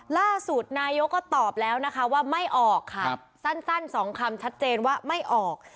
ล่าสูตรนายกก็ตอบแล้วนะคะว่าไม่ออกค่ะครับสั้นสั้นสองคำชัดเจนว่าไม่ออก